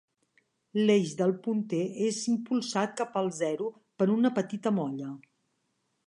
L'eix del punter és impulsat cap al zero per una petita molla.